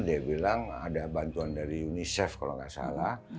dia bilang ada bantuan dari unicef kalau nggak salah